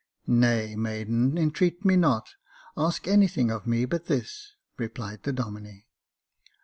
"Nay, maiden, entreat me not. Ask anything of me but this," replied the Domine.